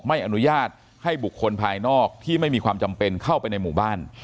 ไม่อนุญาตให้บุคคลภายนอกที่ไม่มีความจำเป็นเข้าไปในหมู่บ้าน